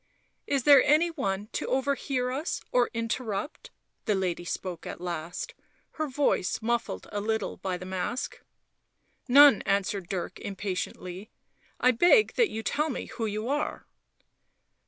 "Is there any one to overhear us or interrupt?" the lady spoke at last, her voice muffled a little by the mask. " Hone," answered Dirk half impatiently. " I beg that you tell me who you are."